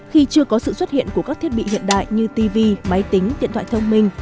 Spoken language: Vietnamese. khi chưa có sự xuất hiện của các thiết bị hiện đại như tv máy tính điện thoại thông minh